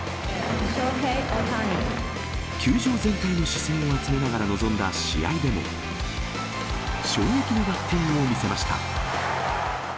球場全体の視線を集めながら臨んだ試合でも、衝撃のバッティングを見せました。